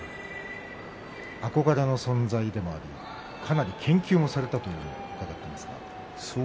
憧れの存在でもありかなり研究もされたと伺っていますが。